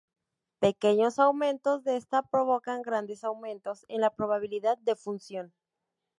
Pequeños aumentos de esta provocan grandes aumentos en la probabilidad de fusión.